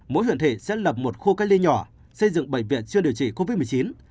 mỗi huyện thị sẽ lập một khu cách ly nhỏ xây dựng bệnh viện chưa điều trị covid một mươi chín